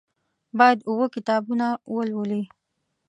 باید اووه کتابونه ولولي.